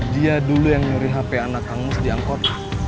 dia dulu yang nyuri hp anak kang emus di angkot